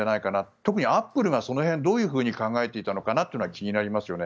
特にアップルがその辺どういうふうに考えていたのかは気になりますよね。